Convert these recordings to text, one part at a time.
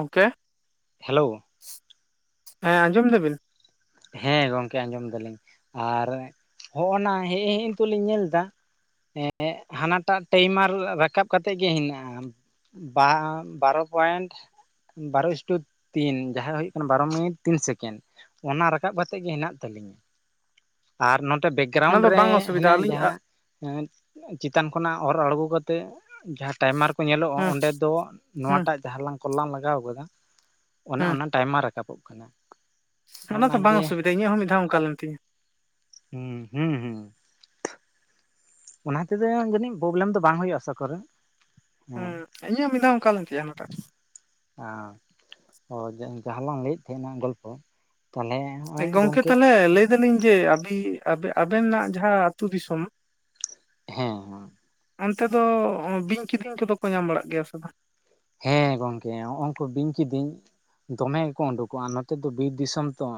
ᱚᱝᱠᱟ ᱦᱮᱞᱳ ᱦᱮᱸ ᱟᱸᱡᱚᱢ ᱫᱟᱵᱤᱱ ᱦᱮᱸ ᱜᱚᱝᱠᱮ ᱟᱸᱡᱚᱢ ᱫᱟᱹᱞᱤᱧ ᱟᱨ ᱦᱚᱜᱼᱚ ᱱᱟ ᱦᱮᱡ ᱦᱮ ᱱᱤᱛᱚᱜ ᱞᱤᱧ ᱧᱮᱞ ᱫᱟ ᱾ ᱦᱮᱸ ᱦᱟᱱᱟᱴᱟᱜ ᱴᱟᱭᱤᱢ ᱟᱨ ᱨᱟᱠᱟᱵ ᱠᱟᱛᱮᱜ ᱜᱮ ᱦᱮᱱᱟᱜᱼᱟ ᱵᱟ ᱵᱟᱨᱚ ᱯᱚᱭᱮᱱᱴ ᱵᱟᱨᱳ ᱤᱥᱴᱩ ᱛᱤᱱ ᱡᱟᱦᱟᱸ ᱦᱩᱭᱩᱜ ᱠᱟᱱᱟ ᱵᱟᱨᱚ ᱢᱤᱱᱤᱴ ᱛᱤᱱ ᱥᱮᱠᱮᱱᱰ ᱚᱱᱟ ᱨᱟᱠᱟᱵ ᱠᱟᱛᱮᱜ ᱜᱮ ᱦᱮᱱᱟᱜ ᱛᱟᱹᱞᱤᱧᱟᱹ᱾ ᱟᱨ ᱱᱚᱛᱮ ᱚᱱᱟ ᱵᱮᱠᱜᱨᱟᱣᱩᱱᱰ ᱫᱚ ᱨᱮ ᱵᱟᱝ ᱚᱥᱩᱵᱤᱫᱟ ᱦᱟᱱᱮ ᱟᱹᱞᱤᱧ ᱟᱜ ᱡᱟᱦᱟᱸ ᱮᱸᱫ ᱪᱮᱛᱟᱱ ᱠᱷᱚᱱᱟᱜ ᱚᱨ ᱟᱬᱜᱚ ᱠᱟᱛᱮᱜ ᱡᱟᱦᱟᱸ ᱴᱟᱭᱢᱟᱨ ᱠᱚ ᱧᱮᱞᱚᱜ ᱦᱩᱸ ᱚᱸᱰᱮ ᱫᱚ ᱦᱩᱸ ᱱᱚᱣᱟᱴᱟᱜ ᱡᱟᱦᱟᱸ ᱞᱟᱝ ᱠᱚᱞ ᱞᱟᱝ ᱞᱟᱜᱟᱣ ᱟᱠᱟᱫᱟ ᱚᱱᱟ ᱦᱩᱸ ᱚᱱᱟ ᱴᱟᱭᱢᱟᱨ ᱨᱟᱠᱟᱵᱚᱜ ᱠᱟᱱᱟ᱾ ᱚᱱᱟ ᱫᱚ ᱵᱟᱝ ᱚᱱᱟᱜᱮ ᱚᱥᱩᱵᱤᱫᱟ ᱤᱧᱟᱹᱜ ᱦᱚᱸ ᱢᱤᱫ ᱫᱷᱟᱣ ᱚᱝᱠᱟ ᱞᱮᱱ ᱛᱤᱧᱟᱹ ᱦᱩᱸ ᱦᱩᱸ ᱦᱩᱸ ᱚᱱᱟ ᱦᱚᱛᱮ ᱫᱚ ᱡᱟᱹᱱᱤᱡ ᱯᱨᱚᱵᱞᱮᱢ ᱫᱚ ᱵᱟᱝ ᱦᱩᱭᱩᱜ ᱟᱥᱟ ᱠᱚᱨᱮ ᱦᱩᱸ ᱤᱧᱟᱹᱜ ᱢᱤᱫᱷᱟᱣ ᱚᱱᱠᱟ ᱞᱮᱧ ᱛᱟᱭᱟ ᱦᱟᱱᱟᱴᱟᱜ ᱨᱮ ᱟᱸ ᱚ ᱡᱟᱦᱟᱸ ᱞᱟᱝ ᱞᱟᱹᱭᱮᱫ ᱛᱟᱦᱮᱸᱱᱟ ᱜᱚᱞᱯᱚ ᱛᱟᱦᱞᱮ ᱡᱮ ᱜᱚᱝᱠᱮ ᱛᱟᱦᱚᱞᱮ ᱞᱟᱹᱭ ᱫᱟᱹᱞᱤᱧ ᱡᱮ ᱟᱹᱵᱤ ᱟᱵᱮ ᱟᱵᱮᱱᱟᱜ ᱡᱟᱦᱟᱸ ᱟᱹᱛᱩ ᱫᱤᱥᱚᱢ ᱦᱮᱸ ᱚᱱᱛᱮ ᱫᱚ ᱦᱚᱸ ᱵᱤᱧ ᱠᱤᱫᱤᱧ ᱠᱚᱫᱚ ᱠᱚ ᱧᱟᱢ ᱵᱟᱲᱟᱜ ᱜᱮᱭᱟ ᱥᱮ ᱵᱟᱝ ᱦᱮᱸ ᱜᱚᱝᱠᱮ ᱦᱚᱸᱜᱼᱚᱝ ᱠᱩ ᱵᱤᱧ ᱠᱤᱫᱤᱧ ᱫᱚᱢᱮ ᱜᱮᱠᱚ ᱩᱰᱩᱠᱚᱜᱼᱟ ᱱᱚᱛᱮ ᱫᱚ ᱵᱤᱨ ᱫᱤᱥᱚᱢ ᱛᱚ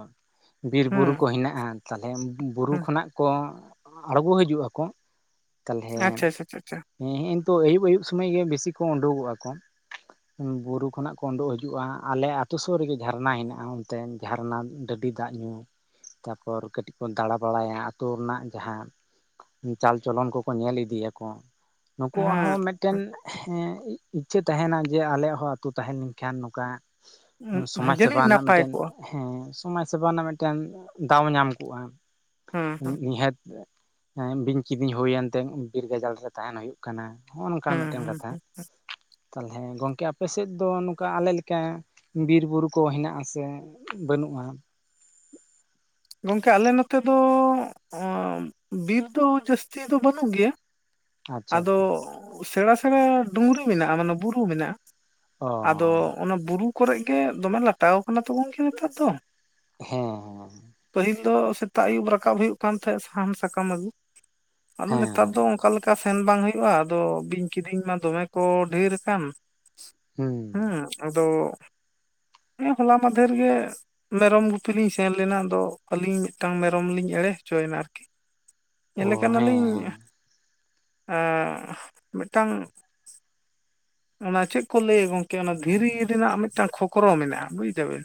ᱦᱩᱸ ᱵᱤᱨᱵᱩᱨᱩ ᱠᱚ ᱦᱮᱱᱟᱜᱼᱟ ᱛᱟᱦᱚᱞᱮ ᱵᱩᱨᱩ ᱦᱩᱸ ᱠᱷᱚᱱᱟᱜ ᱠᱚ ᱟᱬᱜᱚ ᱦᱤᱡᱩᱜ ᱟᱠᱚ ᱛᱟᱦᱚᱞᱮ ᱦᱮᱸᱮᱸ ᱟᱪᱪᱷᱟ ᱟᱪᱪᱷᱟ ᱟᱪᱪᱷᱟ ᱟᱪᱪᱷᱟ ᱱᱤᱛᱚ ᱟᱹᱭᱩᱵ ᱟᱭᱩᱵ ᱥᱚᱢᱚᱭ ᱜᱮ ᱵᱤᱥᱤ ᱠᱚ ᱩᱰᱩᱠᱚᱜ ᱟᱠᱚ ᱵᱩᱨᱩ ᱠᱷᱚᱱᱟᱜ ᱠᱚ ᱩᱰᱩᱠ ᱦᱤᱡᱩᱜᱼᱟ ᱟᱞᱮ ᱟᱛᱩ ᱥᱩᱨ ᱨᱮᱜᱮ ᱡᱷᱟᱨᱱᱟ ᱦᱮᱱᱟᱜᱼᱟ ᱚᱱᱛᱮ ᱡᱷᱟᱨᱱᱟ ᱰᱟᱹᱰᱤ ᱫᱟᱜ ᱧᱩ ᱛᱟᱨᱯᱚᱨ ᱠᱟᱹᱴᱤᱡ ᱠᱚ ᱫᱟᱬᱟ ᱵᱟᱲᱟᱭᱟ ᱟᱹᱛᱩ ᱨᱮᱱᱟᱜ ᱡᱟᱦᱟᱸ ᱪᱟᱞᱪᱚᱞᱚᱱ ᱠᱚᱠᱚ ᱧᱮᱞ ᱤᱫᱤᱭᱟᱠᱚ ᱱᱩᱠᱩᱣᱟᱜ ᱦᱮᱸ ᱦᱚᱸ ᱢᱤᱫᱴᱮᱱ ᱤᱪᱪᱷᱟᱹ ᱛᱟᱦᱮᱱᱟ ᱡᱮ ᱟᱞᱮᱭᱟᱜ ᱦᱚᱸ ᱟᱛᱳ ᱛᱟᱦᱮᱸ ᱞᱮᱱᱠᱷᱟᱱ ᱱᱚᱝᱠᱟ ᱦᱩᱸ ᱥᱚᱢᱟᱡᱽ ᱥᱮᱵᱟ ᱡᱟᱹᱱᱤᱡ ᱨᱮᱱᱟᱜ ᱱᱟᱯᱟᱭ ᱢᱤᱫᱴᱮᱱ ᱠᱚᱜᱼᱟ ᱦᱮᱸ ᱥᱚᱢᱟᱡᱽ ᱥᱮᱵᱟ ᱨᱮᱱᱟᱜ ᱢᱤᱫᱴᱮᱱ ᱫᱟᱣ ᱧᱟᱢ ᱠᱚᱜᱼᱟ ᱦᱮᱸ ᱦᱮᱸ ᱱᱤᱦᱟᱹᱛ ᱦᱮᱸ ᱵᱤᱧ ᱠᱤᱫᱤᱧ ᱦᱩᱭᱮᱱ ᱛᱮ ᱵᱤᱨ ᱜᱟᱡᱟᱲ ᱨᱮ ᱛᱟᱦᱮᱱ ᱦᱩᱭᱩᱜ ᱠᱟᱱᱟ ᱦᱚᱸᱜᱼᱚ ᱱᱚᱝᱠᱟ ᱦᱮᱸ ᱢᱤᱫᱴᱮᱱ ᱠᱟᱛᱷᱟ [unintelligible] ᱛᱟᱦᱚᱞᱮ ᱜᱚᱝᱠᱮ ᱟᱯᱮ ᱥᱮᱫ ᱫᱚ ᱱᱚᱝᱠᱟ ᱟᱞᱮ ᱞᱮᱠᱟ ᱵᱤᱨ ᱵᱩᱨᱩ ᱠᱚ ᱦᱮᱱᱟᱜ ᱟᱥᱮ ᱵᱟᱹᱱᱩᱜᱼᱟ ᱜᱚᱢᱠᱮ ᱟᱞᱮ ᱱᱚᱛᱮ ᱫᱚ ᱵᱤᱨ ᱫᱚ ᱡᱟᱹᱥᱛᱤ ᱫᱚ ᱵᱟᱹᱱᱩᱜ ᱜᱮᱭᱟ ᱟᱪᱪᱷᱟ ᱟᱫᱚ ᱟᱪᱪᱷᱟ ᱥᱮᱬᱟ ᱥᱮᱬᱟ ᱰᱩᱝᱨᱤ ᱢᱮᱱᱟᱜᱼᱟ ᱢᱟᱱᱮ ᱵᱩᱨᱩ ᱢᱮᱱᱟᱜᱼᱟ ᱚ ᱟᱫᱚ ᱚᱱᱟ ᱵᱩᱨᱩ ᱠᱚᱨᱮ ᱜᱮ ᱫᱚᱢᱮ ᱞᱟᱴᱟᱣ ᱟᱠᱟᱱᱟ ᱛᱚ ᱜᱚᱢᱠᱮ ᱱᱮᱛᱟᱨ ᱫᱚ ᱦᱮᱸ ᱯᱟᱹᱦᱤᱞ ᱫᱚ ᱥᱮᱛᱟᱜ ᱟᱹᱭᱩᱵ ᱨᱟᱠᱟᱵ ᱦᱩᱭᱩᱜ ᱠᱟᱱ ᱛᱟᱦᱮᱸᱫ ᱥᱟᱦᱟᱱ ᱥᱟᱠᱟᱢ ᱟᱹᱜᱩ ᱟᱫᱚ ᱦᱮᱸ ᱦᱮᱸ ᱱᱮᱛᱟᱨ ᱦᱮᱸ ᱫᱚ ᱚᱱᱠᱟ ᱚᱱᱠᱟ ᱥᱮᱱ ᱵᱟᱝ ᱦᱩᱭᱩᱜᱼᱟ ᱟᱫᱚ ᱵᱤᱧ ᱠᱤᱰᱤᱧ ᱢᱟ ᱫᱚᱢᱮ ᱠᱚ ᱰᱷᱮᱨ ᱟᱠᱟᱱ ᱦᱩᱸ ᱟᱫᱚ ᱦᱮᱸ ᱦᱚᱞᱟ ᱢᱟᱫᱷᱮᱨ ᱜᱮ ᱢᱮᱨᱚᱢ ᱜᱩᱯᱤ ᱞᱤᱧ ᱥᱮᱱ ᱞᱮᱱᱟ ᱟᱫᱚ ᱟᱹᱞᱤᱧ ᱢᱤᱫᱴᱟᱝ ᱢᱮᱨᱚᱢ ᱞᱤᱧ ᱮᱲᱮ ᱦᱚᱪᱚᱭᱮᱱᱟ ᱟᱨᱠᱤ ᱚ ᱧᱮᱞᱮ ᱦᱮᱸ ᱠᱟᱱᱟᱞᱤᱧ ᱮᱸ [unintelligible] ᱢᱤᱫᱴᱟᱝ ᱚᱱᱟ ᱪᱮᱫ ᱠᱚ ᱞᱟᱹᱭᱟ ᱜᱚᱝᱠᱮ ᱚᱱᱟ ᱫᱷᱤᱨᱤ ᱨᱮᱱᱟᱜ ᱢᱤᱫᱴᱟᱝ ᱠᱷᱚᱠᱨᱚ ᱢᱮᱱᱟᱜᱼᱟ ᱵᱩᱡ ᱮᱫᱟᱵᱤᱱ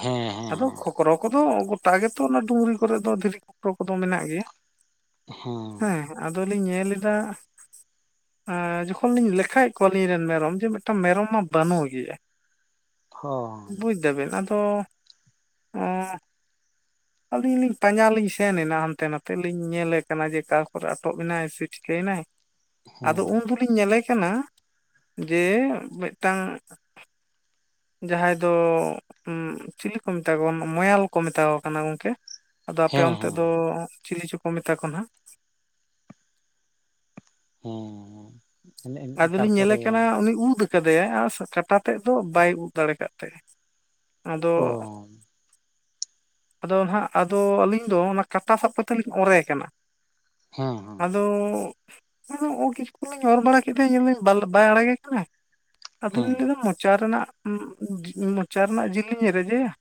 ᱦᱮᱸ ᱦᱮᱸ ᱟᱫᱚ ᱦᱮᱸ ᱠᱷᱚᱠᱨᱚ ᱠᱚᱫᱚ ᱜᱚᱴᱟ ᱜᱮᱛᱚ ᱚᱱᱟ ᱰᱩᱝᱨᱤ ᱠᱚᱨᱮ ᱫᱚ ᱫᱷᱤᱨᱤ ᱠᱷᱚᱠᱨᱚ ᱠᱚᱫᱚ ᱢᱮᱱᱟᱜ ᱜᱮᱭᱟ ᱦᱮᱸ ᱟᱫᱚᱞᱤᱧ ᱧᱮᱞ ᱮᱫᱟ ᱡᱚᱠᱷᱚᱱ ᱞᱤᱧ ᱞᱮᱠᱷᱟᱭᱮᱫ ᱠᱚᱣᱟ ᱠᱷᱟᱭᱟᱞ ᱮᱫ ᱠᱚᱣᱟᱞᱤᱧ ᱢᱮᱨᱚᱢ ᱡᱮ ᱢᱤᱫᱴᱟᱝ ᱢᱮᱨᱚᱢ ᱢᱟ ᱵᱟᱹᱱᱩᱜ ᱜᱮᱭᱟ ᱦᱚ ᱵᱩᱡᱽ ᱮᱫᱟ ᱵᱮᱱ ᱟᱫᱚ ᱚᱸ [unintelligible] ᱟᱹᱞᱤᱧ ᱞᱤᱧ ᱯᱟᱸᱡᱟ ᱞᱤᱧ ᱥᱮᱱ ᱮᱱᱟ ᱦᱟᱱᱛᱮ ᱱᱟᱛᱮ ᱞᱤᱧ ᱧᱮᱞᱮ ᱠᱟᱱᱟ ᱡᱮ ᱚᱠᱟ ᱠᱚᱨᱮ ᱟᱴᱚᱠ ᱮᱱᱟᱭ ᱥᱮᱭ ᱪᱤᱠᱟᱹᱭᱱᱟᱭ ᱦᱮᱸ ᱟᱫᱚ ᱩᱱ ᱫᱚᱞᱤᱧ ᱧᱮᱞᱮ ᱠᱟᱱᱟ ᱡᱮ ᱢᱤᱫᱴᱟᱝ ᱡᱟᱦᱟᱸᱭ ᱫᱚ ᱦ ᱪᱤᱞᱤ ᱠᱚ ᱢᱮᱛᱟ ᱠᱚ ᱢᱚᱭᱟᱞ ᱠᱚ ᱢᱮᱛᱟ ᱠᱚ ᱠᱟᱱᱟ ᱜᱚᱝᱠᱮ ᱟᱫᱚ ᱟᱯᱮ ᱦᱮᱸ ᱚᱱᱛᱮ ᱫᱚ ᱪᱤᱞᱤ ᱪᱚ ᱠᱚ ᱢᱮᱛᱟ ᱠᱚ ᱦᱟᱸᱜ ᱦᱩᱸᱻ ᱟᱫᱚᱞᱤᱧ ᱧᱮᱞᱮ ᱠᱟᱱᱟ ᱩᱱᱤ ᱩᱫ ᱠᱟᱫᱮᱭᱟ ᱟᱨ ᱠᱟᱴᱟ ᱛᱮᱫ ᱫᱚ ᱵᱟᱭ ᱩᱫ ᱫᱟᱲᱮ ᱟᱠᱟᱫ ᱛᱟᱭᱟ ᱟᱫᱚ ᱚ ᱟᱫᱚ ᱦᱟᱜ ᱟᱫᱚ ᱟᱹᱞᱤᱧ ᱫᱚ ᱚᱱᱟ ᱠᱟᱴᱟ ᱥᱟᱵ ᱠᱟᱛᱮᱫ ᱞᱤᱧ ᱚᱨᱮ ᱠᱟᱱᱟ ᱦᱮᱸ ᱦᱮᱸ ᱟᱫᱚ ᱠᱤᱪᱩ ᱜᱟᱱ ᱞᱤᱧ ᱚᱨ ᱵᱟᱲᱟ ᱧᱮᱞᱫᱟᱹᱧ ᱧᱮᱞᱫᱟᱹᱧ ᱵᱟᱭ ᱟᱲᱟᱜᱮ ᱠᱟᱱᱟ ᱟᱫᱚᱧ ᱦᱮᱸ ᱞᱟᱹᱭᱟ ᱢᱚᱪᱟ ᱨᱮᱱᱟᱜ ᱢᱚᱪᱟ ᱨᱮᱱᱟᱜ ᱡᱤᱞᱤᱧ ᱨᱮᱡᱮᱭᱟ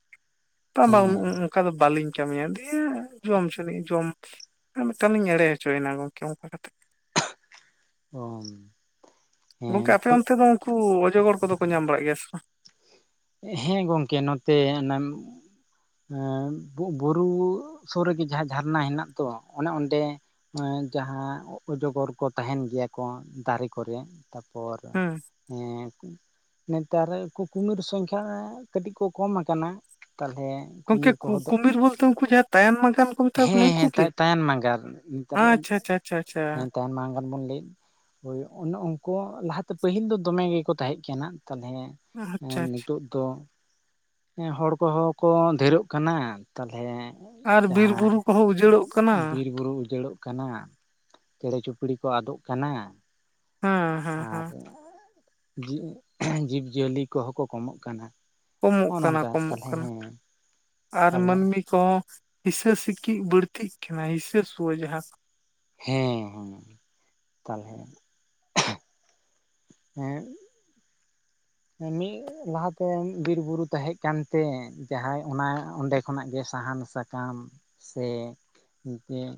ᱵᱟᱝ ᱦᱮᱸ ᱚᱠᱟ ᱫᱚ ᱵᱟᱹᱞᱤᱧ ᱠᱟᱹᱢᱤᱭᱟ ᱫᱤᱭᱮ ᱡᱚᱢ ᱦᱚᱪᱟᱱᱤ ᱡᱚᱢ ᱟᱨ ᱢᱤᱫᱤᱛᱟᱝ ᱞᱤᱧ ᱮᱲᱮ ᱦᱚᱪᱚᱭᱮᱱᱟ ᱜᱚᱝᱠᱮ ᱚᱱᱠᱟ ᱠᱟᱛᱮᱫ ᱚ ᱦᱮᱸ ᱜᱚᱝᱠᱮ ᱟᱯᱮ ᱚᱱᱛᱮ ᱫᱚ ᱩᱱᱠᱩ ᱚᱡᱚᱜᱚᱲ ᱠᱚᱫᱚ ᱠᱚ ᱧᱟᱢ ᱵᱟᱲᱟᱜ ᱜᱮᱭᱟ ᱥᱮ ᱦᱮᱸ ᱜᱚᱢᱠᱮ ᱱᱚᱛᱮ ᱚᱱᱟ ᱵᱩᱨᱩ ᱥᱩᱨ ᱨᱮᱜᱮ ᱡᱟᱦᱟᱸ ᱡᱷᱟᱨᱱᱟ ᱦᱮᱱᱟᱜ ᱛᱚ ᱚᱱᱮ ᱚᱸᱰᱮ ᱡᱟᱦᱟᱸ ᱚᱡᱚᱜᱚᱨ ᱠᱚ ᱛᱟᱦᱮᱱ ᱜᱮᱭᱟ ᱠᱚ ᱫᱟᱨᱮ ᱠᱚᱨᱮ ᱛᱟᱯᱚᱨ ᱦᱩᱸ ᱦᱮᱸ ᱱᱮᱛᱟᱨ ᱠᱩ ᱠᱩᱢᱤᱨ ᱥᱚᱝᱠ ᱦᱮᱸ ᱠᱟᱹᱴᱤᱡ ᱠᱚ ᱠᱚᱢ ᱟᱠᱟᱱᱟ ᱛᱟᱦᱚᱞᱮ ᱜᱚᱢᱠᱮ ᱠᱩᱢᱤᱨ ᱠᱚᱦᱚᱸ ᱠᱩᱢᱤᱨ ᱵᱚᱞᱛᱮ ᱩᱱᱠᱩ ᱡᱟᱦᱟᱸ ᱛᱟᱭᱟᱝ ᱢᱟᱜᱟᱱ ᱠᱚ ᱢᱮᱛᱟ ᱠᱚ ᱦᱮᱸ ᱱᱩᱠᱩ ᱦᱮᱸ ᱠᱤ ᱛᱟᱭᱟᱝ ᱢᱟᱜᱟᱨ ᱱᱮᱛᱟᱨ ᱟᱪᱪᱷᱟ ᱟᱪᱪᱷᱟ ᱟᱪᱪᱷᱟ ᱟᱪᱪᱷᱟ ᱦᱮᱸ ᱛᱟᱭ ᱢᱟᱜᱟᱨ ᱵᱚᱱ ᱞᱟᱹᱭᱮᱫ ᱦᱳᱭ ᱚᱱᱮ ᱩᱱᱠᱩ ᱞᱟᱦᱟᱛᱮ ᱯᱟᱹᱦᱤᱞ ᱫᱚ ᱫᱚᱢᱮ ᱜᱮᱠᱚ ᱛᱟᱦᱮᱸ ᱠᱟᱱᱟ ᱛᱟᱞᱚᱞᱮ ᱟᱪᱪᱷᱟ ᱦᱮᱸ ᱟᱪᱪᱷᱟ ᱱᱤᱛᱳᱜ ᱫᱚ ᱦᱚᱲ ᱠᱚᱦᱚᱸ ᱠᱚ ᱰᱷᱮᱨᱚᱜ ᱠᱟᱱᱟ ᱛᱟᱞᱚᱞᱮ ᱟᱨ ᱵᱤᱨ ᱡᱟᱦᱟᱸ ᱵᱩᱨᱩ ᱠᱚᱦᱚᱸ ᱩᱡᱟᱹᱲᱚᱜ ᱠᱟᱱᱟ ᱵᱤᱨ ᱵᱩᱨᱩ ᱩᱡᱟᱹᱲᱚᱜ ᱠᱟᱱᱟ ᱪᱮᱬᱮ ᱪᱩᱯᱲᱤ ᱠᱚ ᱟᱫᱚᱜ ᱠᱟᱱᱟ ᱦᱮᱸ ᱦᱮᱸ ᱦᱮᱸ ᱟᱨ ᱡᱤ ᱡᱤᱵᱽ ᱡᱤᱭᱟᱹᱞᱤ ᱠᱚᱦᱚᱸ ᱠᱚ ᱠᱚᱢᱚᱜ ᱠᱟᱱᱟ ᱠᱚᱢᱚᱜ ᱱᱚᱜᱼᱚ ᱠᱟᱱᱟ ᱱᱚᱝᱠᱟ ᱠᱚᱢᱚᱜ ᱛᱟᱞᱦᱮ ᱠᱟᱱᱟ ᱦᱮᱸ ᱟᱨ ᱛᱟᱞᱦᱮ ᱢᱟᱹᱱᱢᱤ ᱠᱚᱦᱚᱸ ᱦᱤᱥᱟᱹ ᱥᱤᱠᱤᱜ ᱵᱟᱹᱲᱛᱤᱜ ᱠᱟᱱᱟ ᱦᱤᱥᱟᱹᱥᱣᱟᱹ ᱡᱟᱦᱟᱸ ᱦᱮᱸ ᱦᱮᱸ ᱛᱟᱦᱚᱞᱮ ᱦᱮᱸ ᱢᱤᱫ ᱞᱟᱦᱟᱛᱮ ᱵᱤᱨ ᱵᱩᱨᱩ ᱛᱟᱦᱮᱸ ᱠᱟᱱᱛᱮ ᱡᱟᱦᱟᱸᱭ ᱚᱱᱟ ᱚᱸᱰᱮ ᱠᱷᱚᱱᱟᱜ ᱜᱮ ᱥᱟᱦᱟᱱ ᱥᱟ ᱥᱟᱠᱟᱢ ᱥᱮ ᱢᱤᱫᱴᱮᱱ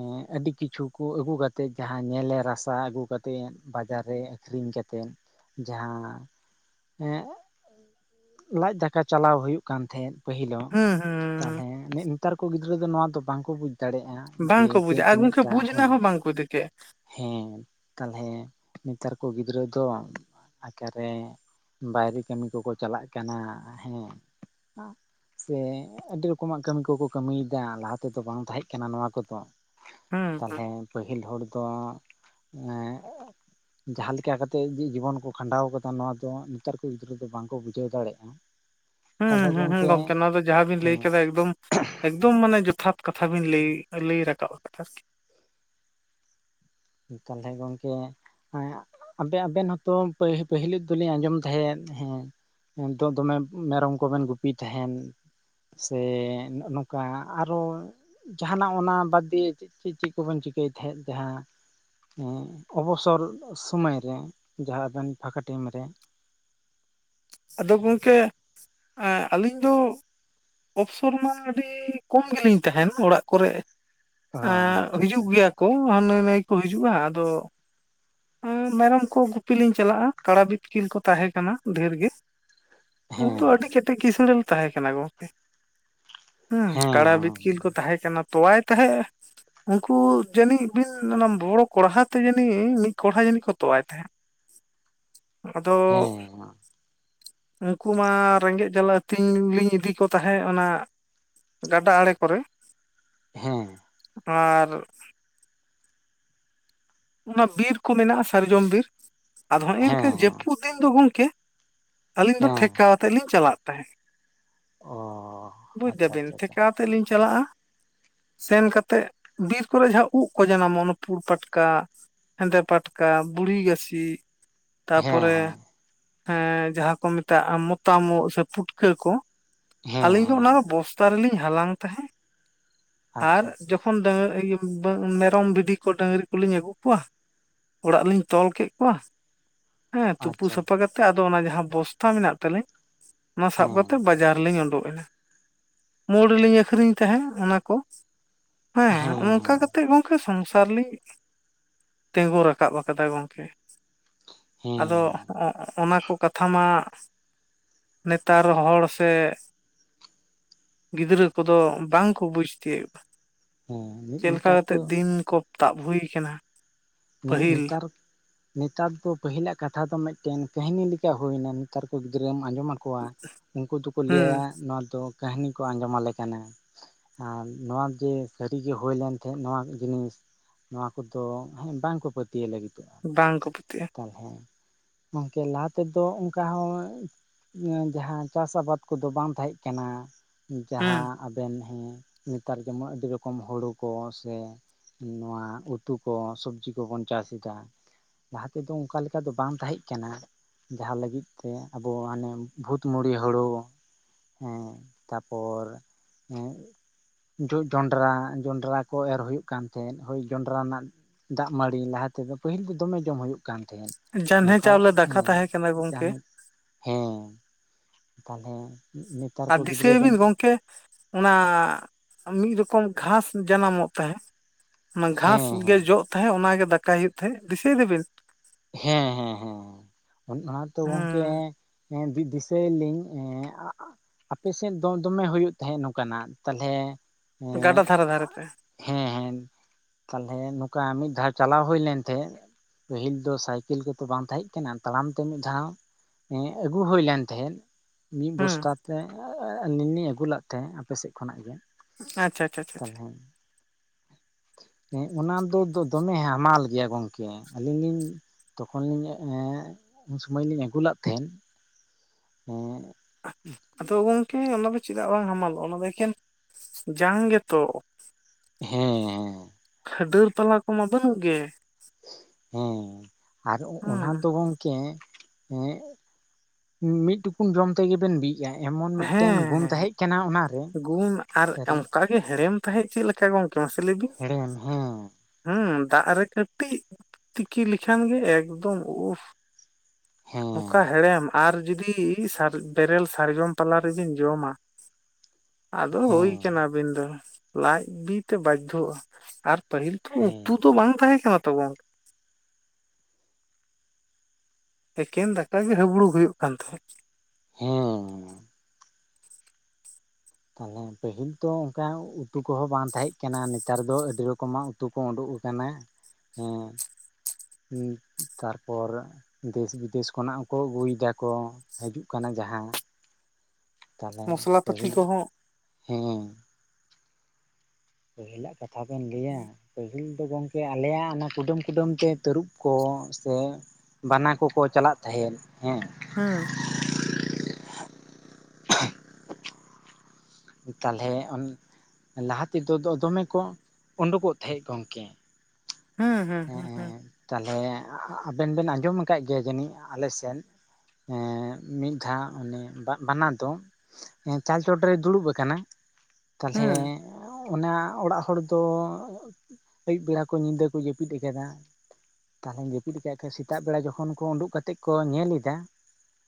ᱮ ᱟᱹᱰᱤ ᱠᱤᱪᱷᱩ ᱟᱹᱜᱩ ᱠᱟᱛᱮᱜ ᱡᱟᱦᱟᱸ ᱧᱮᱞᱮ ᱨᱟᱥᱟ ᱟᱹᱜᱩ ᱠᱟᱛᱮᱜ ᱵᱟᱡᱟᱨ ᱨᱮ ᱟᱹᱠᱷᱨᱤᱧ ᱠᱟᱛᱮᱜ ᱡᱟᱦᱟᱸ ᱦᱮᱸ ᱞᱟᱡ ᱫᱟᱠᱟ ᱪᱟᱞᱟᱣ ᱦᱩᱭᱩᱜ ᱠᱟᱱ ᱛᱟᱦᱮᱸᱫ ᱯᱟᱹᱦᱤᱞᱚᱜ ᱦᱩᱸ ᱛᱟᱦᱚᱞᱮ ᱦᱩᱸ ᱱᱮᱛᱟᱨ ᱠᱚ ᱜᱤᱫᱽᱨᱟᱹ ᱫᱚ ᱱᱚᱣᱟ ᱫᱚ ᱵᱟᱝᱠᱚ ᱵᱩᱡᱽ ᱫᱟᱲᱮᱭᱟᱜ-ᱟ ᱵᱟᱝᱠᱚ ᱵᱩᱡᱽ-ᱟ ᱜᱚᱢᱠᱮ ᱵᱩᱡᱽ ᱨᱮᱱᱟᱜ ᱦᱚᱸ ᱵᱟᱝᱠᱚ ᱫᱤᱠᱮᱜ-ᱟ ᱦᱮᱸ ᱛᱟᱦᱚᱞᱮ ᱱᱮᱛᱟᱨ ᱠᱚ ᱜᱤᱫᱽᱨᱟᱹ ᱫᱚ ᱟᱠᱟᱨᱮ ᱵᱟᱦᱨᱮ ᱠᱟᱹᱢᱤ ᱠᱚᱠᱚ ᱪᱟᱞᱟᱜ ᱠᱟᱱᱟ ᱦᱮᱸ ᱥᱮ ᱟᱹᱰᱤ ᱨᱚᱠᱚᱢᱟᱜ ᱠᱟᱹᱢᱤ ᱠᱚᱠᱚ ᱠᱟᱹᱢᱤᱭᱮᱫᱟ ᱞᱟᱦᱟ ᱛᱮᱫᱚ ᱵᱟᱝ ᱛᱟᱦᱮᱸ ᱠᱟᱱᱟ ᱱᱚᱣᱟ ᱠᱚᱫᱚ ᱦᱩᱸ ᱛᱟᱦᱚᱞᱮ ᱯᱟᱹᱦᱤᱞ ᱦᱚᱲ ᱫᱚ ᱢᱟᱱᱮ ᱡᱟᱦᱟᱸ ᱞᱮᱠᱟ ᱠᱟᱛᱮᱜ ᱡᱤᱵᱚᱱ ᱠᱚ ᱠᱷᱟᱸᱰᱟᱣ ᱟᱠᱟᱫᱟ ᱱᱚᱣᱟ ᱡᱮᱢᱚᱱ ᱱᱮᱛᱟᱨ ᱠᱚ ᱜᱤᱫᱽᱨᱟᱹ ᱫᱚ ᱵᱟᱝᱠᱚ ᱵᱩᱡᱷᱟᱹᱣ ᱫᱟᱲᱮᱭᱟᱜ-ᱟ ᱦᱩᱸᱻᱦᱩᱻᱦᱩᱸᱻᱦᱩᱸ ᱜᱚᱢᱠᱮ ᱱᱚᱣᱟ ᱫᱚ ᱡᱟᱦᱟᱸᱵᱮᱱ ᱞᱟᱹᱭ ᱦᱮᱸ ᱠᱮᱫᱟ ᱮᱠᱫᱚᱢ ᱮᱠᱫᱚᱢ ᱢᱟᱱᱮ ᱡᱚᱛᱷᱟᱛ ᱠᱟᱛᱷᱟ ᱵᱤᱱ ᱞᱟᱹᱭ ᱞᱟᱹᱭ ᱨᱟᱠᱟᱵ ᱠᱟᱛᱷᱟ ᱛᱟᱦᱚᱞᱮ ᱜᱚᱢᱠᱮ ᱦᱮᱸ ᱟᱵᱮ ᱟᱵᱮᱱ ᱦᱚᱸᱛᱚ ᱯᱟᱹᱦᱤᱞ ᱫᱚᱞᱤᱧ ᱟᱸᱡᱚᱢ ᱛᱟᱦᱮᱸᱫ ᱦᱮᱸ ᱮ ᱱᱤᱛᱚᱜ ᱫᱚᱢᱮ ᱢᱮᱨᱚᱢ ᱠᱚᱵᱮᱱ ᱜᱩᱯᱤ ᱛᱟᱦᱮᱱ ᱥᱮ ᱱᱚᱜ ᱱᱚᱝᱠᱟ ᱟᱨᱚ ᱡᱟᱦᱟᱸᱱᱟᱜ ᱚᱱᱟ ᱵᱟᱫᱽ ᱫᱤᱭᱮ ᱪᱮᱫ ᱪᱮᱫ ᱪᱮᱫ ᱠᱚᱵᱚᱱ ᱪᱤᱠᱟᱹᱭ ᱛᱟᱦᱮᱸᱫ ᱡᱟᱦᱟᱸ ᱚᱵᱚᱥᱚᱨ ᱥᱚᱢᱚᱭ ᱨᱮ ᱡᱟᱦᱟᱸ ᱟᱵᱮᱱ ᱯᱷᱟᱠᱟ ᱴᱟᱭᱤᱢ ᱨᱮ ᱟᱫᱚ ᱜᱚᱢᱠᱮ ᱟᱹᱞᱤᱧ ᱫᱚ ᱚᱯᱥᱚᱨ ᱢᱟ ᱟᱹᱰᱤ ᱠᱚᱢ ᱜᱮᱞᱤᱧ ᱛᱟᱦᱮᱱ ᱚᱲᱟᱜ ᱠᱚᱨᱮ ᱚ ᱮᱸ ᱟᱪᱪᱷᱟ ᱟᱪᱪᱷᱟ ᱦᱤᱡᱩᱜ ᱜᱮᱭᱟ ᱠᱚ ᱦᱟᱹᱱᱤ ᱱᱷᱟᱹᱭ ᱠᱚ ᱦᱤᱡᱩᱜᱼᱟ ᱟᱫᱚ ᱢᱮᱨᱚᱢ ᱠᱚ ᱜᱩᱯᱤ ᱞᱤᱧ ᱪᱟᱞᱟᱜᱼᱟ ᱠᱟᱲᱟ ᱵᱤᱛᱠᱤᱱ ᱠᱚ ᱛᱟᱦᱮᱸ ᱠᱟᱱᱟ ᱰᱷᱮᱨ ᱜᱮ ᱩᱱ ᱫᱚ ᱦᱮᱸ ᱟᱹᱰᱤ ᱠᱮᱴᱮᱡ ᱠᱤᱥᱟᱸᱬ ᱞᱮ ᱛᱟᱦᱮᱸ ᱠᱟᱱᱟ ᱜᱚᱢᱠᱮ ᱦᱩᱸ ᱠᱟᱲᱟ ᱦᱮᱸ ᱵᱤᱛᱠᱤᱞ ᱠᱚ ᱛᱟᱦᱮᱸ ᱠᱟᱱᱟ ᱛᱚᱣᱟᱭ ᱛᱟᱦᱮᱸᱫ ᱩᱱᱠᱩ ᱡᱟᱹᱱᱤᱡ ᱵᱤᱱ ᱚᱱᱟ ᱵᱚᱲᱚ ᱠᱚᱲᱦᱟ ᱛᱮ ᱡᱟᱹᱱᱤᱡ ᱢᱤᱫ ᱠᱚᱲᱦᱟ ᱡᱟᱹᱱᱤ ᱠᱚ ᱛᱚᱣᱟᱭ ᱛᱟᱦᱮᱸᱜ ᱟᱫᱚᱼᱼ ᱦᱮᱸ ᱩᱱᱠᱩ ᱢᱟ ᱨᱮᱸᱜᱮᱡ ᱡᱟᱞᱟ ᱟᱹᱛᱤᱧ ᱞᱤᱧ ᱤᱫᱤ ᱠᱚ ᱛᱟᱦᱮᱸᱫ ᱚᱱᱟ ᱜᱟᱰᱟ ᱟᱲᱮ ᱠᱚᱨᱮ ᱦᱮᱸ ᱟᱨ ᱚᱱᱟ ᱵᱤᱨ ᱠᱚ ᱢᱮᱱᱟᱜᱼᱟ ᱥᱟᱨᱡᱚᱢ ᱵᱤᱨ ᱟᱫᱚ ᱱᱮᱜᱼᱮ ᱱᱮᱝᱠᱟ ᱦᱮᱸ ᱡᱟᱹᱯᱩᱫ ᱫᱤᱱ ᱫᱚ ᱜᱚᱢᱠᱮ ᱟᱹᱞᱤᱧ ᱫᱚ ᱦᱮᱸ ᱴᱷᱮᱠᱟᱣᱛᱮᱫ ᱞᱤᱧ ᱪᱟᱞᱟᱜ ᱛᱟᱦᱮᱸᱫ ᱚ ᱵᱩᱡᱽ ᱟᱪᱪᱷᱟ ᱫᱟᱹᱵᱤᱱ ᱟᱪᱪᱷᱟ ᱟᱪᱪᱷᱟ ᱴᱷᱮᱠᱟᱛᱮ ᱞᱤᱧ ᱪᱟᱞᱟᱜᱼᱟ ᱥᱮᱱ ᱠᱟᱛᱮᱫ ᱵᱤᱨ ᱠᱚᱨᱮ ᱡᱟᱦᱟᱸ ᱩᱵ ᱠᱚ ᱡᱟᱱᱟᱢᱚᱜ ᱚᱱᱟ ᱯᱩᱲ ᱯᱟᱴᱠᱟ ᱦᱮᱸᱫᱮ ᱯᱟᱴᱠᱟ ᱵᱩᱲᱦᱤ ᱜᱟᱹᱪᱷᱤ ᱦᱮᱸ ᱛᱟᱨᱯᱚᱨᱮ ᱦᱮᱸ ᱦᱮᱸ ᱡᱟᱦᱟᱸ ᱠᱚ ᱢᱮᱛᱟᱜᱼᱟ ᱢᱚᱛᱟᱢᱚᱜ ᱥᱮ ᱯᱩᱴᱠᱟᱹ ᱠᱚ ᱦᱮᱸ ᱟᱹᱞᱤᱧ ᱫᱚ ᱚᱱᱟ ᱦᱮᱸ ᱫᱚ ᱵᱚᱥᱛᱟ ᱨᱮᱞᱤᱧ ᱦᱟᱞᱟᱝ ᱛᱟᱦᱮᱸ ᱟᱨ ᱟᱪᱪᱷᱟ ᱟᱪᱪᱷᱟ ᱡᱚᱠᱷᱚᱱ ᱛᱚᱠᱷᱚᱱ [unintelligible] ᱢᱮᱨᱚᱢ ᱵᱷᱤᱰᱤ ᱠᱚ ᱰᱟᱹᱝᱨᱤ ᱠᱩᱞᱤᱧ ᱟᱹᱜᱩ ᱠᱚᱭᱟ ᱚᱲᱟᱜ ᱞᱤᱧ ᱛᱚᱞ ᱠᱮᱫ ᱠᱚᱣᱟ ᱦᱮᱸ ᱛᱩᱯᱩ ᱟᱪᱪᱷᱟ ᱥᱟᱯᱷᱟ ᱠᱟᱛᱮ ᱛᱮ ᱟᱫᱚ ᱚᱱᱟ ᱡᱟᱦᱟᱸ ᱵᱚᱥᱛᱟ ᱢᱮᱱᱟᱜ ᱛᱟᱞᱮᱧ ᱚᱱᱟ ᱥᱟᱵ ᱦᱮᱸ ᱠᱟᱛᱮᱫ ᱵᱟᱡᱟᱨ ᱨᱮᱞᱤᱧ ᱩᱰᱩᱠ ᱮᱱᱟ ᱢᱳᱲ ᱨᱮᱞᱤᱧ ᱟᱹᱠᱷᱨᱤᱧ ᱛᱟᱦᱮᱸᱫ ᱚᱱᱟ ᱠᱚ ᱦᱮᱸ ᱚᱱᱠᱟ ᱠᱟᱛᱮ ᱜᱚᱝᱠ ᱠᱟ ᱥᱚᱝᱥᱟᱨ ᱞᱤᱱ ᱛᱤᱸᱜᱩ ᱨᱟᱠᱟᱵ ᱟᱠᱟᱫᱟᱭ ᱜᱚᱢᱠᱮ ᱟᱫᱚ ᱦᱮᱸ ᱚᱱᱟ ᱠᱚ ᱠᱟᱛᱷᱟ ᱢᱟ ᱱᱮᱛᱟᱨ ᱦᱚᱲ ᱥᱮ ᱜᱤᱫᱽᱨᱟᱹ ᱠᱚᱫᱚ ᱵᱟᱝ ᱠᱚ ᱵᱩᱡᱽ ᱛᱤᱭᱳᱜᱼᱟ ᱦᱮᱸ ᱪᱮᱫᱞᱮᱠᱟ ᱱᱮᱛᱟᱨ ᱠᱟᱛᱮ ᱠᱚ ᱫᱤᱱ ᱠᱚ ᱛᱟᱵ ᱦᱩᱭᱟᱠᱟᱱᱟ [unintelligible] ᱱᱮᱛᱟᱨ ᱫᱚ ᱯᱟᱹᱦᱤᱞᱟᱜ ᱠᱟᱛᱷᱟ ᱫᱚ ᱢᱤᱫᱴᱮᱱ ᱠᱟᱹᱦᱱᱤ ᱞᱮᱠᱟ ᱦᱩᱭᱱᱟ ᱱᱮᱛᱟᱨ ᱠᱚ ᱜᱤᱫᱽᱨᱟᱹ ᱟᱸᱡᱚᱢᱟᱫᱼ ᱩᱱᱠᱩ ᱫᱚᱠᱚ ᱦᱩᱸ ᱞᱟᱹᱭᱟ ᱱᱚᱣᱟ ᱫᱚ ᱠᱟᱹᱦᱱᱤ ᱠᱚ ᱟᱸᱡᱚᱢ ᱟᱞᱮ ᱠᱟᱱᱟ ᱟᱨ ᱱᱚᱣᱟ ᱡᱮ ᱥᱟᱹᱨᱤᱜᱮ ᱦᱩᱭᱞᱮᱱ ᱛᱮ ᱱᱚᱣᱟ ᱡᱤᱱᱤᱥ ᱱᱚᱣᱟ ᱠᱚᱫᱚ ᱦᱮᱸ ᱵᱟᱝᱠᱚ ᱯᱟᱹᱛᱭᱟᱹᱣ ᱞᱟᱹᱜᱤᱫᱚᱜᱼᱟ ᱵᱟᱝ ᱠᱚ ᱯᱩᱛᱤᱜᱼᱟ [unintelligible] ᱦᱮᱸ ᱜᱚᱝᱠᱮ ᱞᱟᱦᱟ ᱛᱮᱫᱚ ᱚᱱᱠᱟ ᱦᱚᱸᱼᱼ ᱡᱟᱦᱟᱸ ᱪᱟᱥ ᱟᱵᱟᱫ ᱠᱚᱫᱚ ᱵᱟᱝ ᱛᱟᱦᱮᱸ ᱠᱟᱱᱟ ᱦᱩᱸ ᱡᱟᱦᱟᱸᱼ ᱟᱵᱮᱱ ᱦᱮᱸ ᱱᱮᱛᱟᱨ ᱡᱮᱢᱚᱱ ᱟᱹᱰᱤ ᱨᱚᱠᱚᱢ ᱦᱳᱲᱳ ᱠᱚ ᱥᱮ ᱱᱚᱣᱟ ᱩᱛᱩ ᱠᱚ ᱥᱚᱵᱽᱡᱤ ᱠᱚᱵᱚᱱ ᱪᱟᱥ ᱮᱫᱟ ᱞᱟᱦᱟ ᱛᱮᱫᱚ ᱚᱱᱠᱟ ᱞᱮᱠᱟ ᱫᱚ ᱵᱟᱝ ᱛᱟᱦᱮᱸ ᱠᱟᱱᱟ ᱡᱟᱦᱟᱸ ᱞᱟᱹᱜᱤᱫ ᱛᱮ ᱟᱵᱩ ᱦᱟᱱᱮ ᱵᱷᱩᱛᱢᱚᱲᱤ ᱦᱩᱲᱩ ᱦᱮᱸ ᱛᱟᱯᱚᱨ ᱮᱸ ᱡᱚᱜ ᱡᱚᱸᱰᱨᱟ ᱡᱚᱸᱰᱨᱟ ᱠᱚ ᱮᱨ ᱦᱩᱭᱩᱜ ᱠᱟᱱ ᱛᱟᱦᱮᱸᱫ ᱦᱳᱭ ᱡᱚᱸᱰᱨᱟ ᱨᱮᱱᱟᱜ ᱫᱟᱜ ᱢᱟᱹᱲᱤ ᱞᱟᱦᱟ ᱛᱮᱫᱚ ᱯᱟᱹᱦᱤᱞ ᱫᱚ ᱫᱚᱢᱮ ᱡᱚᱢ ᱦᱩᱭᱩᱜ ᱠᱟᱱ ᱛᱟᱦᱮᱸᱫ ᱡᱟᱱᱦᱮ ᱱᱚᱝᱠᱟ ᱪᱟᱣᱞᱮ ᱫᱟᱠᱟ ᱦᱮᱸ ᱛᱟᱦᱮᱸ ᱠᱟᱱᱟ ᱜᱚᱝᱠᱮ ᱡᱟᱦᱟᱱᱤᱡ ᱦᱮᱸ [unintelligible] ᱛᱟᱦᱚᱞᱮ ᱱᱤᱛ ᱟᱨ ᱫᱤᱥᱟᱹᱭᱟᱵᱤᱱ ᱜᱚᱝᱠᱮ ᱚᱱᱟ ᱢᱤᱫ ᱨᱚᱠᱚᱢ ᱜᱷᱟᱥ ᱡᱟᱱᱟᱢᱚᱜ ᱛᱟᱦᱮᱸᱫ ᱚᱱᱟ ᱜᱷᱟᱥ ᱦᱮᱸ ᱜᱮ ᱦᱮᱸ ᱡᱚᱜ ᱛᱟᱦᱮᱸᱫ ᱚ ᱜᱮ ᱫᱟᱠᱟᱭ ᱦᱩᱭᱩᱜ ᱛᱟᱦᱮᱸᱫ ᱫᱤᱥᱟᱹᱭ ᱫᱟᱵᱤᱱ? ᱦᱮᱸ ᱦᱮᱸ ᱦᱮᱸ ᱚᱱᱟᱛᱚ ᱜᱚᱝᱠᱮ ᱦᱩᱸ ᱦᱮᱸ ᱫᱤᱥᱟᱹᱭᱟᱞᱤᱧ [unintelligible] ᱟᱯᱮᱥᱮᱫ ᱫᱚ ᱫᱚᱢᱮ ᱦᱩᱭᱩᱜ ᱛᱟᱦᱮᱸᱫ ᱱᱚᱝᱠᱟᱱᱟᱜ ᱛᱟᱦᱚᱞᱮ ᱜᱟᱰᱟ ᱫᱷᱟᱨᱮ ᱫᱷᱟᱨᱮ ᱛᱮ᱾ ᱦᱮᱸ ᱦᱮᱸ ᱛᱟᱦᱞᱮ ᱱᱚᱝᱠᱟ ᱢᱤᱫ ᱫᱷᱟᱣ ᱪᱟᱞᱟᱣ ᱦᱩᱭ ᱞᱮᱱ ᱛᱟᱦᱮᱸ ᱯᱟᱹᱦᱤᱞ ᱫᱚ ᱥᱟᱭᱠᱮᱞ ᱠᱚᱛᱚ ᱵᱟᱝ ᱛᱟᱦᱮᱸ ᱠᱟᱱᱟ ᱛᱟᱲᱟᱢ ᱛᱮ ᱢᱤᱫ ᱫᱷᱟᱣ ᱟᱹᱜᱩ ᱦᱩᱭ ᱞᱮᱱ ᱛᱟᱦᱮᱸᱫ ᱢᱤᱫ ᱦᱩᱸ ᱵᱚᱥᱛᱟ ᱛᱮ [unintelligible] ᱟᱹᱜᱩ ᱞᱮᱫ ᱛᱟᱦᱮᱸ ᱟᱯᱮ ᱥᱮᱫ ᱠᱷᱚᱱᱟᱜ ᱜᱮ ᱟᱪᱪᱷᱟ ᱟᱪᱪᱷᱟ [inaudible] ᱟᱪᱪᱷᱟ ᱛᱟᱦᱚᱞᱮ ᱦᱮᱸ ᱚᱱᱟ ᱫᱚ ᱫᱚᱢᱮ ᱦᱟᱢᱟᱞ ᱜᱮᱭᱟ ᱜᱚᱝᱠᱮ ᱟᱹᱞᱤᱧ ᱞᱤᱧ ᱛᱚᱠᱷᱚᱱᱤᱧ ᱩᱱ ᱥᱚᱢᱟᱹᱭ ᱞᱤᱧ ᱟᱹᱜᱩ ᱞᱮᱫ ᱛᱟᱦᱮᱸᱱ ᱦᱮᱸ ᱟᱫᱚ ᱜᱚᱝᱠᱮ ᱚᱱᱟ ᱫᱚ ᱪᱮᱫᱟᱜ ᱵᱟᱝ ᱦᱟᱢᱟᱞᱚᱜᱼᱟ ᱚᱱᱟ ᱫᱚ ᱮᱠᱮᱱ ᱡᱟᱝ ᱜᱮᱛᱚ᱾ ᱦᱮᱸ ᱦᱮᱸ [unintelligible] ᱰᱟᱹᱨ ᱯᱟᱞᱟ ᱠᱚᱢᱟ ᱵᱟᱹᱱᱩᱜ ᱜᱮ ᱦᱮᱸ ᱟᱨ ᱚᱱᱟ ᱦᱮᱸ ᱫᱚ ᱜᱚᱝᱠᱮ ᱢᱤᱫ ᱴᱩᱠᱩᱱ ᱡᱚᱢ ᱛᱮᱜᱮᱵᱮᱱ ᱵᱤᱜᱼᱟ ᱮᱢᱚᱱ ᱢᱤᱫᱴᱮᱱ ᱜᱩᱱ ᱦᱮᱸ ᱛᱟᱦᱮᱸᱡ ᱠᱟᱱᱟ ᱚᱱᱟ ᱜᱩᱱ ᱟᱨ ᱚᱱᱠᱟ ᱜᱮ ᱦᱮᱲᱮᱢ ᱛᱟᱦᱮᱸᱫ ᱪᱮᱫ ᱞᱮᱠᱟ ᱜᱚᱝᱠᱮ ᱢᱟᱥᱮ ᱞᱟᱹᱭ ᱵᱤᱱ? ᱦᱮᱲᱮᱢ ᱦᱮᱸ ᱦᱩᱸ ᱫᱟᱜ ᱨᱮ ᱠᱟᱹᱴᱤᱡ ᱛᱤᱠᱤ ᱞᱮᱠᱷᱟᱱ ᱜᱮ ᱮᱠᱫᱚᱢ ᱩᱷ᱾ ᱦᱮᱸ ᱾ ᱚᱠᱟ ᱦᱮᱲᱮᱢ ᱟᱨ ᱡᱩᱫᱤ ᱵᱮᱨᱮᱞ ᱥᱟᱨᱡᱚᱢ ᱯᱟᱞᱟ ᱨᱮᱵᱤᱱ ᱡᱚᱢᱟ, ᱟᱫᱚ ᱦᱩᱭ ᱦᱮᱸ ᱠᱟᱱᱟ ᱟᱵᱤᱱ ᱫᱚ ᱞᱟᱡ ᱵᱤᱛᱮ ᱵᱟᱫᱽᱫᱷᱚᱜᱼᱟ ᱟᱨ ᱯᱟᱹᱦᱤᱞ ᱛᱚ ᱩᱛᱩ ᱦᱮᱸ ᱫᱚ ᱵᱟᱝ ᱛᱟᱦᱮᱸ ᱠᱟᱱᱟ ᱛᱟᱵᱚᱱ ᱾ ᱮᱠᱮᱱ ᱫᱟᱠᱟ ᱜᱮ ᱦᱩᱵᱽᱲᱩᱠ ᱦᱩᱭᱩᱜ ᱠᱟᱱ ᱛᱟᱦᱮᱸᱫ ᱾ ᱦᱮᱸ ᱾ ᱛᱟᱦᱚᱞᱮ ᱯᱟᱹᱦᱤᱞ ᱛᱚ ᱚᱱᱠᱟ ᱩᱛᱩ ᱠᱚᱦᱚᱸ ᱵᱟᱝ ᱛᱟᱦᱮᱸ ᱠᱟᱱᱟ ᱱᱮᱛᱟᱨ ᱫᱚ ᱟᱹᱰᱤ ᱨᱚᱠᱚᱢᱟᱜ ᱩᱛᱩ ᱩᱰᱩᱠ ᱟᱠᱟᱱᱟ ᱦᱮᱸ ᱛᱟᱨᱯᱚᱨ ᱫᱮᱥ ᱵᱤᱫᱮᱥ ᱠᱷᱚᱱᱟᱜ ᱦᱚᱸᱠᱚ ᱟᱹᱜᱩᱭᱮᱫᱟ ᱠᱚ ᱦᱤᱡᱩᱜ ᱠᱟᱱᱟ ᱡᱟᱦᱟᱸ ᱛᱟᱦᱚᱞᱮ ᱢᱚᱥᱞᱟ ᱯᱟᱛᱤ ᱯᱟᱹᱦᱤᱞ ᱠᱚᱦᱚᱸ ᱦᱮᱸ ᱯᱟᱹᱦᱤᱞᱟᱜ ᱠᱟᱛᱷᱟ ᱵᱮᱱ ᱞᱟᱹᱭᱟ ᱯᱟᱹᱦᱤᱞ ᱫᱚ ᱜᱚᱝ ᱠᱮ ᱟᱞᱮᱭᱟᱜ ᱚᱱᱟ ᱠᱩᱰᱟᱹᱢ ᱠᱩᱰᱟᱹᱢ ᱛᱮ ᱛᱟᱹᱨᱩᱵ ᱠᱚ ᱥᱮ ᱵᱟᱱᱟ ᱠᱚᱠᱚ ᱪᱟᱞᱟᱜ ᱛᱟᱦᱮᱸᱱ ᱦᱮᱸ, ᱦᱩᱸ ᱾ ᱛᱟᱦᱚᱞᱮ ᱞᱟᱦᱟ ᱛᱮᱫᱚ ᱫᱚᱢᱮ ᱠᱚ ᱩᱰᱩᱠᱚᱜ ᱛᱟᱦᱮᱸᱫ ᱜᱚᱝᱠᱮ ᱾ ᱦᱮᱸ ᱛᱟᱦᱚᱞᱮ ᱟᱵᱮᱱ ᱵᱮᱱ ᱟᱸᱡᱚᱢ ᱟᱠᱟᱜ ᱜᱮᱭᱟ ᱡᱟᱹᱱᱤᱡ ᱟᱞᱮ ᱥᱮᱱ ᱦᱮᱸ ᱢᱤᱫ ᱫᱷᱟᱹᱣ ᱚᱱᱮ ᱵᱟᱱᱟ ᱫᱚᱱ ᱦᱮᱸ ᱪᱟᱞ ᱪᱚᱴᱨᱮᱭ ᱫᱩᱲᱩᱵ ᱟᱠᱟᱱᱟ, ᱛᱟᱦᱞᱮ ᱦᱮᱸ ᱚᱱᱟ ᱚᱲᱟᱜ ᱦᱚᱲ ᱫᱚ ᱟᱹᱭᱩᱵ ᱵᱮᱲᱟ ᱠᱚ ᱧᱤᱫᱟᱹ ᱠᱚ ᱡᱟᱹᱯᱤᱫ ᱟᱠᱟᱫᱟ, ᱛᱟᱦᱚᱞᱮ ᱡᱟᱹᱯᱤᱫ ᱠᱮᱡ ᱠᱷᱟᱡ ᱠᱚ ᱥᱮᱛᱟᱜ ᱵᱮᱲᱟ ᱡᱚᱠᱷᱚᱱ ᱠᱚ ᱩᱸᱰᱩᱜ ᱠᱟᱛᱮ ᱠᱚ ᱧᱮᱞ ᱮᱫᱟ,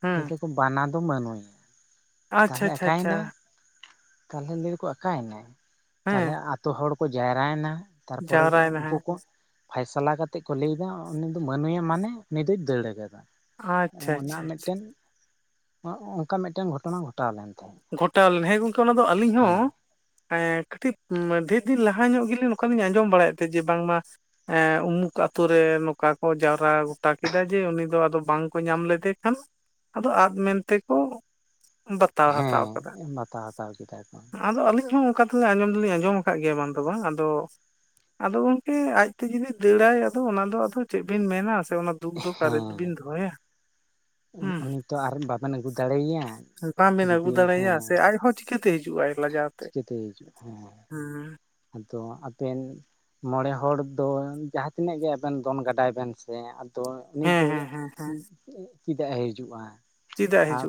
ᱦᱮᱸ [unintelligible] ᱠᱚ ᱵᱟᱱᱟ ᱫᱚ ᱵᱟᱹᱱᱩᱭᱟ ᱟᱪᱪᱷᱟ ᱛᱟᱦᱞᱮ ᱟᱪᱪᱷᱟ ᱟᱠᱟᱭᱮᱱᱟ ᱟᱪᱪᱷᱟ ᱛᱟᱞᱦᱮ ᱞᱟᱹᱭ ᱟᱠᱚ ᱟᱠᱟᱸᱣᱮᱱᱟ? ᱛᱟᱦᱚᱞᱮ ᱦᱮᱸ ᱟᱛᱩ ᱦᱚᱲ ᱠᱚ ᱡᱟᱣᱨᱟᱭᱮᱱᱟ, ᱛᱟᱨᱯᱚᱨᱮ ᱡᱟᱣᱨᱟᱭᱮᱱᱟ ᱩᱱᱠᱩ ᱦᱮᱸ ᱠᱚ ᱯᱷᱟᱭᱥᱟᱞᱟ ᱠᱟᱛᱮ ᱠᱚ ᱞᱟᱹᱭᱮᱫᱟ ᱩᱱᱤ ᱫᱚ ᱵᱟᱹᱱᱩᱜᱭᱟ ᱢᱟᱱᱮ ᱩᱱᱤ ᱫᱚᱭ ᱫᱟᱹᱲ ᱠᱟᱫᱟ ᱟᱪᱪᱷᱟ ᱾ ᱚᱱᱟ ᱟᱪᱪᱷᱟ ᱟᱪᱪᱷᱟ ᱢᱤᱫᱴᱮᱱ ᱚᱱᱠᱟ ᱢᱤᱫᱴᱮᱱ ᱜᱷᱚᱴᱚᱱᱟ ᱜᱷᱚᱴᱟᱣ ᱞᱮᱱ ᱛᱟᱦᱮᱸᱫ ᱾ ᱜᱷᱚᱴᱟᱣ ᱞᱮᱱᱟ, ᱦᱮᱸ ᱜᱚᱝᱠᱮ ᱚᱱᱟᱫᱚ ᱟᱹᱞᱤᱧ ᱦᱚᱸ ᱮᱸ ᱠᱟᱹᱴᱤᱡ ᱰᱷᱮᱨ ᱫᱤᱱ ᱞᱟᱦᱟ ᱧᱚᱜ ᱜᱮᱞᱤᱧ ᱱᱚᱝᱠᱟ ᱞᱤᱧ ᱟᱸᱡᱚᱢ ᱵᱟᱲᱟᱭᱮᱫ ᱛᱮ ᱡᱮ ᱵᱟᱝ ᱢᱟ ᱮᱸ ᱩᱢᱩᱠ ᱟᱛᱩ ᱨᱮ ᱱᱚᱝᱠᱟ ᱠᱚ ᱡᱟᱣᱨᱟ ᱜᱚᱴᱟ ᱠᱮᱫᱟ ᱡᱮ ᱩᱱᱤ ᱫᱚ ᱟᱫᱚ ᱵᱟᱝ ᱠᱚ ᱧᱟᱢ ᱞᱮᱫᱮ ᱠᱷᱟᱱ, ᱟᱫᱚ ᱟᱫ ᱢᱮᱱᱛᱮ ᱠᱚ ᱵᱟᱛᱟᱣᱟ ᱾ ᱦᱟᱛᱟᱣ ᱟᱠᱟᱫᱟ ᱦᱮᱸ ᱵᱟᱛᱟᱣ ᱦᱟᱛᱟᱣ ᱠᱮᱫᱟ ᱠᱚ ᱾ ᱟᱫᱚ ᱟᱹᱞᱤᱧ ᱦᱚᱸ ᱚᱱᱠᱟ ᱟᱸᱡᱚᱢ ᱫᱚᱞᱤᱧ ᱟᱸᱡᱚᱢ ᱟᱠᱟᱫ ᱜᱮᱭᱟ, ᱵᱟᱝ ᱫᱚ ᱵᱟᱝ, ᱟᱫᱚ ᱟᱫᱚ ᱜᱚᱝᱠᱮ ᱟᱡᱛᱮ ᱡᱩᱫᱤ ᱫᱟᱹᱲᱟᱭ ᱟᱫᱚ ᱚᱱᱟ ᱫᱚ ᱟᱫᱚ ᱪᱮᱫ ᱵᱤᱱ ᱢᱮᱱᱟ ᱥᱮ ᱫᱩᱠ ᱫᱚ ᱚᱠᱟᱨᱮ ᱵᱤᱱ ᱦᱮᱸ ᱫᱚᱦᱚᱭᱟ ᱾ ᱦᱩᱸ ᱾ ᱩᱱᱤ ᱛᱚ ᱟᱨ ᱵᱟᱵᱮᱱ ᱟᱹᱜᱩ ᱫᱟᱲᱮᱭᱟᱭᱟ ᱾ ᱵᱟᱝᱵᱤᱱ ᱟᱹᱜᱩ ᱫᱟᱲᱮᱟᱭᱟ ᱥᱮ ᱟᱡᱦᱚᱸ ᱪᱤᱠᱟᱹ ᱛᱮ ᱦᱤᱡᱩᱜ ᱟᱭ ᱾ ᱞᱟᱡᱟᱣ ᱛᱮ ᱪᱤᱠᱟᱹᱛᱮᱭ ᱦᱤᱡᱩᱜᱼᱟ ᱦᱮᱸ ᱾ ᱦᱮᱸ ᱾ ᱟᱫᱚ ᱟᱵᱮᱱ ᱢᱚᱬᱮ ᱦᱚᱲ ᱫᱚ ᱡᱟᱦᱟᱸ ᱛᱤᱱᱟᱹᱜ ᱜᱮ ᱟᱵᱮᱱ ᱫᱚᱱ ᱜᱟᱰᱟᱭ ᱵᱮᱱ ᱥᱮ, ᱛᱚ ᱩᱱᱤ ᱦᱮᱸ ᱫᱚᱭ ᱦᱮᱸ ᱦᱮᱸ ᱦᱮᱸ ᱪᱮᱫᱟᱜ ᱮ ᱦᱤᱡᱩᱜᱼᱟ ᱟᱭ ᱾ ᱪᱮᱫᱟᱜ ᱦᱤᱡᱩᱜ